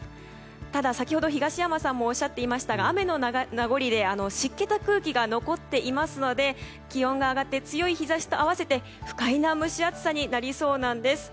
ただ、先ほど東山さんもおっしゃっていましたが雨の名残で湿気の空気が残っていますので気温が上がって強い日差しと合わせて不快な蒸し暑さになりそうなんです。